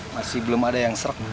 masih belum ada yang serk